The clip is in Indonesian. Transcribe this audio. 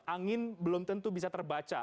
angin belum tentu bisa terbaca